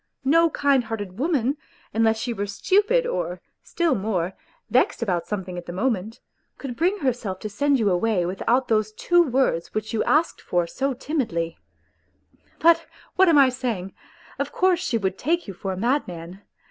... No kind hearted woman, unless she were stupid or, still more, vexed about something at the moment, could bring herself to send you away without those two words which you ask for so timidly. ... But what am I saying ? Of course she would take you for a madman.